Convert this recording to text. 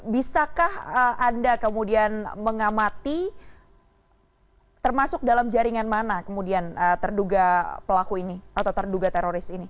bisakah anda kemudian mengamati termasuk dalam jaringan mana kemudian terduga pelaku ini atau terduga teroris ini